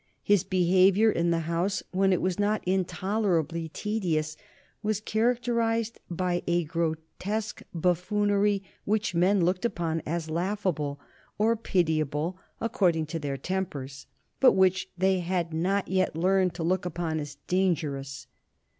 His behavior in the House, when it was not intolerably tedious, was characterized by a grotesque buffoonery which men looked upon as laughable or pitiable according to their tempers, but which they had not yet learned to look upon as dangerous.